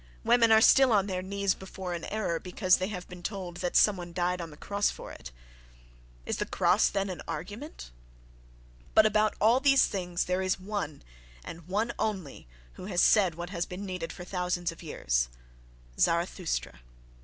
Women are still on their knees before an error because they have been told that some one died on the cross for it. Is the cross, then, an argument?—But about all these things there is one, and one only, who has said what has been needed for thousands of years—Zarathustra.